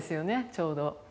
ちょうど。